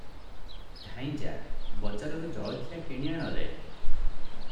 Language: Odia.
ଧାଇଁ ଯା ବଜାରରୁ ଜଳଖିଆ କିଣି ଆଣରେ ।"